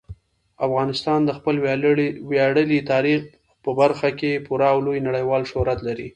افغانستان د خپل ویاړلي تاریخ په برخه کې پوره او لوی نړیوال شهرت لري.